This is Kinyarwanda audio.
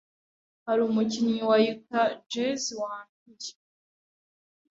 hari umukinnyi wa Utah Jazz wanduye